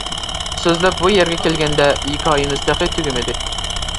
سۆزلەپ بۇ يەرگە كەلگەندە، ھېكايىمىز تېخى تۈگىمىدى.